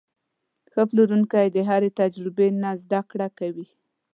ښه پلورونکی د هرې تجربې نه زده کړه کوي.